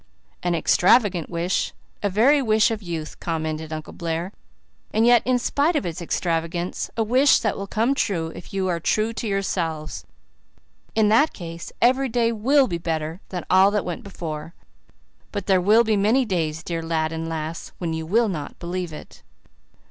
"An extravagant wish a very wish of youth," commented Uncle Blair, "and yet in spite of its extravagance, a wish that will come true if you are true to yourselves. In that case, every day WILL be better than all that went before but there will be many days, dear lad and lass, when you will not believe it."